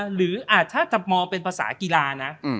หรือถ้าจะมองเป็นภาษากีฬานะ